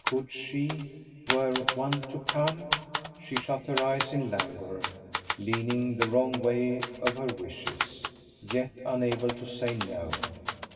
Could she ...? were one to come? She shut her eyes in languor, leaning the wrong way of her wishes, yet unable to say No.